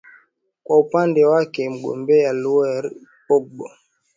kwa upande wake mgombea lauren bagbo